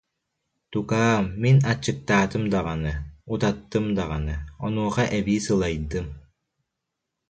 Тукаам, мин аччыктаатым даҕаны, утаттым даҕаны, онуоха эбии сылайдым